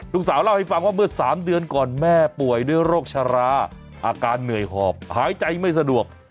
ลูกสาวเล่าให้ฟังว่าเมื่อ๓เดือนก่อนแม่ป่วยด้วยโรคชะลาอาการเหนื่อยหอบหายใจไม่สะดวก